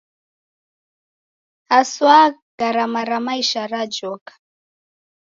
Haswa garama ra maisha rajoka.